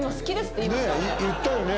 ねえ言ったよね？